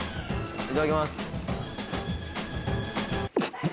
いただきます。